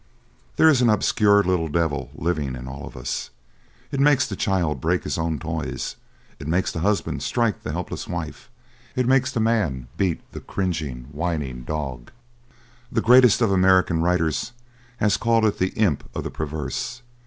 There is an obscure little devil living in all of us. It makes the child break his own toys; it makes the husband strike the helpless wife; it makes the man beat the cringing, whining dog. The greatest of American writers has called it the Imp of the Perverse.